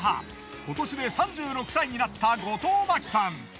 今年で３６歳になった後藤真希さん。